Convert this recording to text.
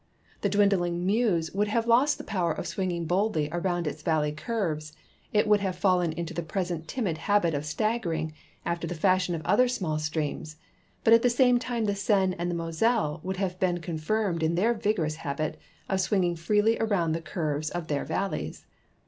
The dwindling Meuse would have lost the power of swinging boldly around its valley curves ; it would have fallen into the present timid habit of staggering, after the fashion of other small streams, but at the same time the Seine and the Moselle would have been confirmed in their vigorous habit of swinging freely around the curves of their valle}^s.